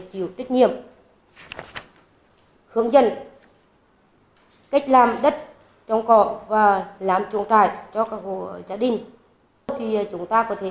chủ tịch hộ nông dân đều là những cán bộ nữ còn rất trẻ